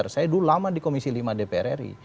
saya dulu lama di komisi lima dpr ri